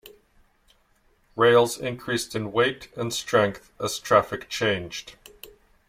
Rails increased in weight and strength as traffic changed.